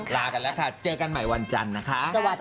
ลากันแล้วค่ะเจอกันใหม่วันจันทร์นะคะ